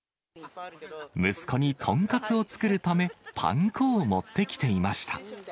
息子に豚カツを作るため、パン粉を持ってきていました。